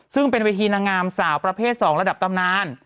ซึ่งเป็นเวทีนางงามสาวประเภท๒ระดับตำนาน